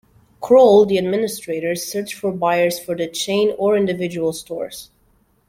Kroll, the administrators, searched for buyers for the chain or individual stores.